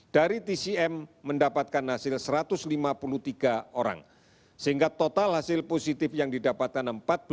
satu ratus tujuh puluh sembilan dari tcm mendapatkan hasil satu ratus lima puluh tiga orang sehingga total hasil positif yang didapatkan empat belas tiga puluh dua